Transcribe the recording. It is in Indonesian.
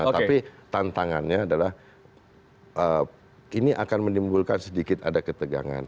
tapi tantangannya adalah ini akan menimbulkan sedikit ada ketegangan